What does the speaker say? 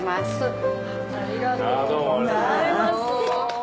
「ありがとうございますもう」